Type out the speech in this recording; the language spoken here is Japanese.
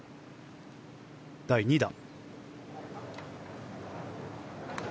第２打。